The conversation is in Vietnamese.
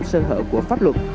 sơ hở của pháp luật